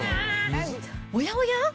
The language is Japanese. おやおや？